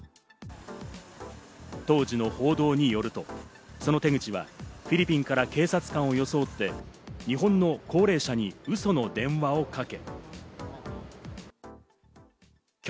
当時の報道によると、その手口はフィリピンから警察官を装って、日本の高齢者にウソの電話をかけ。